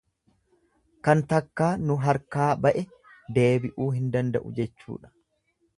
Kan takkaa nu harkaa ba'e deebi'uu hin danda'u jechuudha.